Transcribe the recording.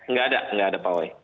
nggak ada nggak ada pawai